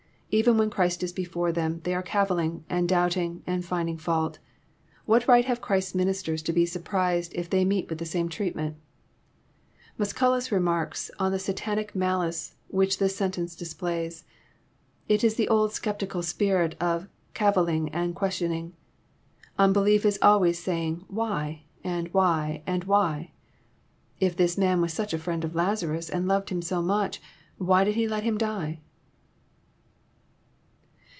Even when Christ is before them, they are cavilling, and doubting, and finding fault. What right have Christ's ministers to be surprised if they meet with the same treatment ? Musculns remarks on the Satanic malice which this sentence displays. It is the old sceptical spirit of cavilling and ques tioning. Unbelief is always saying why? and why? and why? <* If this Man was such a friend of Lazarus, and loved him so much, why did He let him die